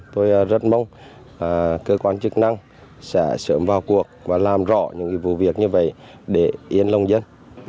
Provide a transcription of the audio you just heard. tôi rất mong cơ quan chức năng sẽ sớm vào cuộc và làm rõ những vụ việc như vậy để yên lông dân